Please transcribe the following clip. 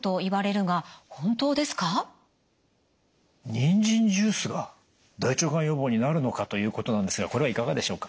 にんじんジュースが大腸がん予防になるのかということなんですがこれはいかがでしょうか？